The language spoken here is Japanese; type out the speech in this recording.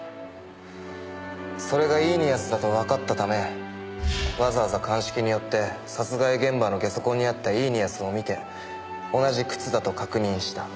それがイーニアスだとわかったためわざわざ鑑識に寄って殺害現場の下足痕にあったイーニアスを見て同じ靴だと確認した。